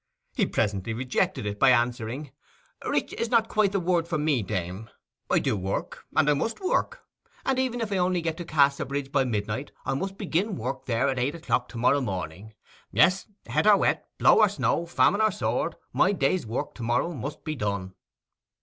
He presently rejected it by answering, 'Rich is not quite the word for me, dame. I do work, and I must work. And even if I only get to Casterbridge by midnight I must begin work there at eight to morrow morning. Yes, het or wet, blow or snow, famine or sword, my day's work to morrow must be done.